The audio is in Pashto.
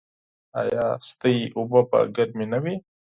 ایا ستاسو اوبه به ګرمې نه وي؟